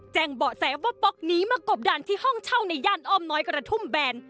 เบาะแสว่าป๊อกนี้มากบดานที่ห้องเช่าในย่านอ้อมน้อยกระทุ่มแบน